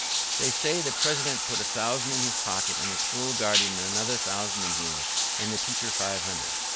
"They say the president put a thousand in his pocket, and the school guardian another thousand in his, and the teacher five hundred."